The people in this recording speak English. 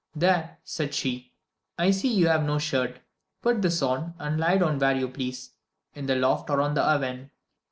"There," said she, "I see you have no shirt. Put this on, and lie down where you please, in the loft or on the oven."